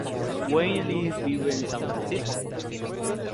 Wayne Elise vive en San Francisco.